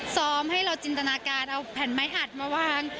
ให้เราจินตนาการเอาแผ่นไม้อัดมาวาง